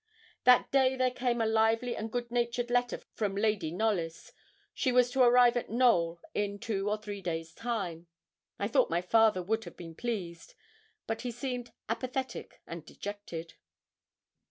That day there came a lively and goodnatured letter from Lady Knollys. She was to arrive at Knowl in two or three days' time. I thought my father would have been pleased, but he seemed apathetic and dejected.